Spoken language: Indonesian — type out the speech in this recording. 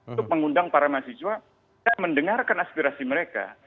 untuk mengundang para mahasiswa dan mendengarkan aspirasi mereka